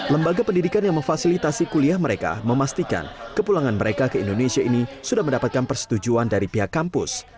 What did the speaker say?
lembaga pendidikan yang memfasilitasi kuliah mereka memastikan kepulangan mereka ke indonesia ini sudah mendapatkan persetujuan dari pihak kampus